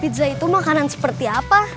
pizza itu makanan seperti apa